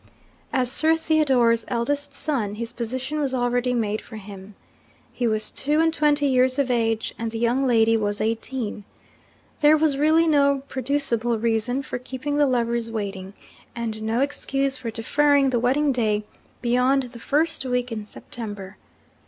As Sir Theodore's eldest son, his position was already made for him. He was two and twenty years of age; and the young lady was eighteen. There was really no producible reason for keeping the lovers waiting, and no excuse for deferring the wedding day beyond the first week in September.